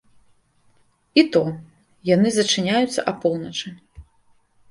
І то, яны зачыняюцца апоўначы.